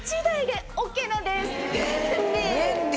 便利！